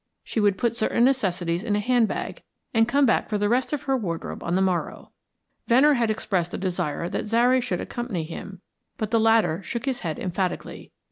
She would put certain necessaries in a handbag, and come back for the rest of her wardrobe on the morrow. Venner had expressed a desire that Zary should accompany him, but the latter shook his head emphatically.